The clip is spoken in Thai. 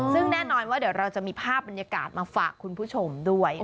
ซึ่งแน่นอนว่าเดี๋ยวเราจะมีภาพบรรยากาศมาฝากคุณผู้ชมด้วย